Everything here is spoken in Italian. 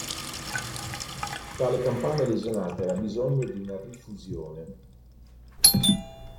Tale campana è lesionata e ha bisogno di una rifusione.